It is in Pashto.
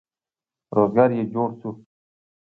روزګار یې جوړ شو.